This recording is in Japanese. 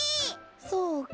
そうか。